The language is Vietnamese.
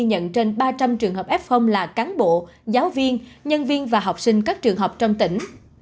ghi nhận trên ba trăm linh trường hợp f là cán bộ giáo viên nhân viên và học sinh các trường học trong tỉnh